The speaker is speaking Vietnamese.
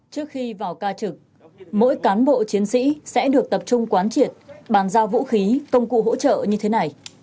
trước khi vào ca trực mỗi cán bộ chiến sĩ sẽ được tập trung quán triệt bàn giao vũ khí công cụ hỗ trợ như thế này